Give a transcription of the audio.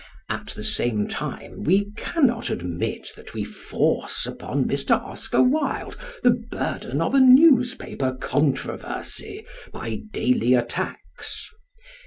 At the same time we cannot admit that we force upon Mr. Oscar Wilde the burden of a newspaper controversy by "daily attacks."